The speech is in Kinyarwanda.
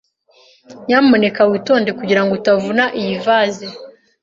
Nyamuneka witonde kugirango utavuna iyi vase.